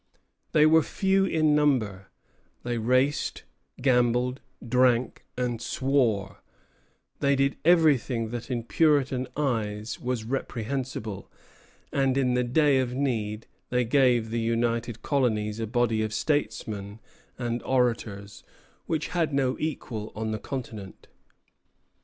They were few in number; they raced, gambled, drank, and swore; they did everything that in Puritan eyes was most reprehensible; and in the day of need they gave the United Colonies a body of statesmen and orators which had no equal on the continent.